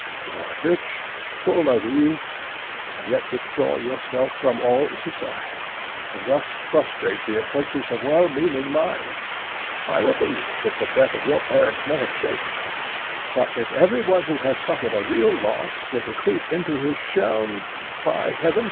You are rich, full of youth, and yet withdraw yourself from all society, and thus frustrate the approaches of well meaning minds. I will believe that the death of your parents may have shaken you, but if every one, who has suffered a real loss, were to creep into his shell, by heavens!